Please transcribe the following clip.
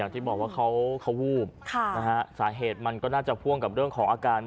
ที่บอกว่าเขาวูบสาเหตุมันก็น่าจะพ่วงกับเรื่องของอาการ